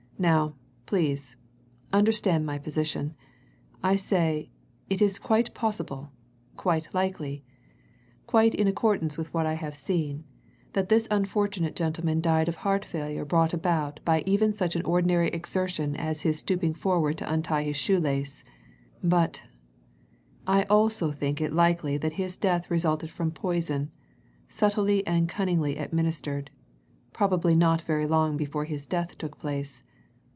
Now, please, understand my position I say, it is quite possible, quite likely, quite in accordance with what I have seen, that this unfortunate gentleman died of heart failure brought about by even such an ordinary exertion as his stooping forward to untie his shoe lace, but I also think it likely that his death resulted from poison, subtly and cunningly administered, probably not very long before his death took place.